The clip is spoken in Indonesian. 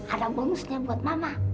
ada bonusnya buat mama